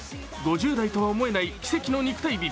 ５０代とは思えない奇跡の肉体美。